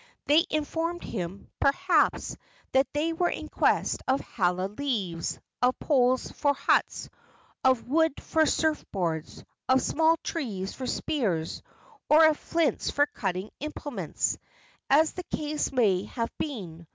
They informed him, perhaps, that they were in quest of hala leaves, of poles for huts, of wood for surf boards, of small trees for spears, or of flints for cutting implements, as the case may have been.